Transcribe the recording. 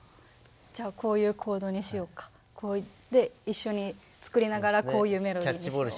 じゃあこういうコードにしようかこういって一緒に作りながらこういうメロディーにしよう。